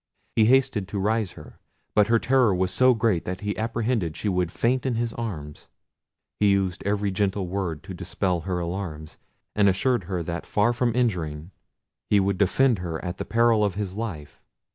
He hasted to raise her, but her terror was so great that he apprehended she would faint in his arms. He used every gentle word to dispel her alarms, and assured her that far from injuring, he would defend her at the peril of his life.